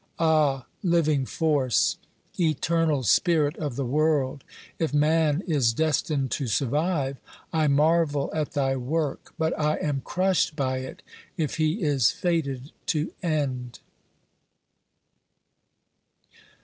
Ah, Living Force ! Eternal Spirit of the world ! If man is destined to survive, I marvel at thy work, but I am crushed by it if he is fated to end.